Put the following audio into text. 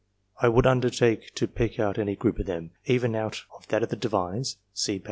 I would undertake to pick out of any group of them, even out of that of the Divines (see pp.